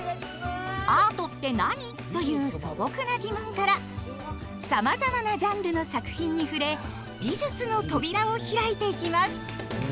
「アートって何？」という素朴な疑問からさまざまなジャンルの作品に触れ美術の扉を開いていきます。